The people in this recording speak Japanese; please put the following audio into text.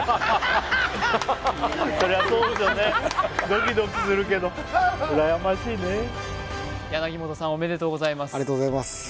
ドキドキするけど本さんおめでとうございます